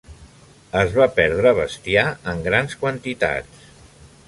Es va perdre bestiar en grans quantitats.